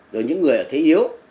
rồi những người ở thế yếu